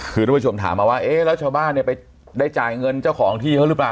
คือท่านผู้ชมถามมาว่าแล้วชาวบ้านไปได้จ่ายเงินเจ้าของที่หรือเปล่า